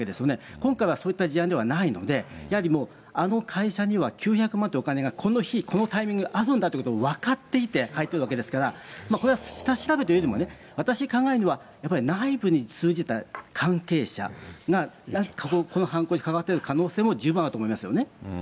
今回はそういった事案ではないので、やはりもう、あの会社には９００万というお金が、この日、このタイミングであるんだということを分かっていて入ってるわけですから、これは下調べというよりはね、私考えるのは、やっぱり内部に通じた関係者が、何かこの犯行に関わっている可能性も十分あると思いますよね。